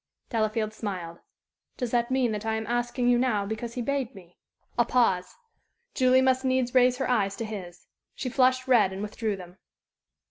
Delafield smiled. "Does that mean that I am asking you now because he bade me?" A pause. Julie must needs raise her eyes to his. She flushed red and withdrew them.